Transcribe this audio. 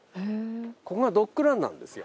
ここがドッグランなんですよ。